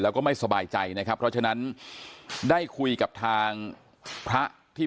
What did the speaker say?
แล้วก็ไม่สบายใจนะครับเพราะฉะนั้นได้คุยกับทางพระที่